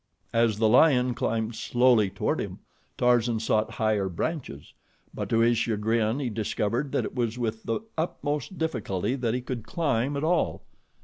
As the lion climbed slowly toward him, Tarzan sought higher branches; but to his chagrin, he discovered that it was with the utmost difficulty that he could climb at all.